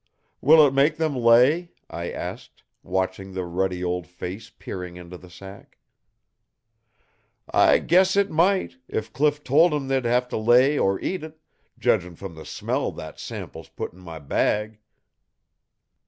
"Will it make them lay?" I asked, watching the ruddy old face peering into the sack. "I guess it might, if Cliff told 'em they'd have to lay or eat it, judgin' from the smell that sample's put in my bag."